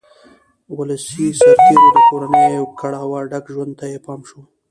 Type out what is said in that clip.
ولسي سرتېرو د کورنیو کړاوه ډک ژوند ته یې پام شو.